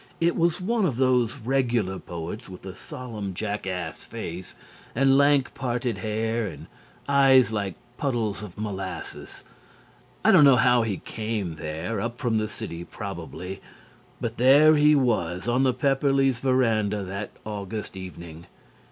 It was one of those regular poets with a solemn jackass face, and lank parted hair and eyes like puddles of molasses. I don't know how he came there up from the city, probably but there he was on the Pepperleighs' verandah that August evening.